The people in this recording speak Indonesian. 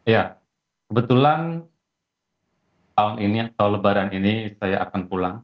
ya kebetulan tahun ini atau lebaran ini saya akan pulang